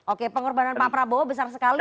oke pengorbanan pak prabowo besar sekali